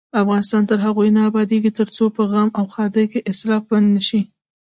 افغانستان تر هغو نه ابادیږي، ترڅو په غم او ښادۍ کې اسراف بند نشي.